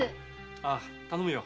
ああ頼むよ。